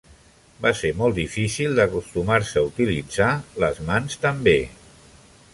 Va ser molt difícil acostumar-se a utilitzar les mans també.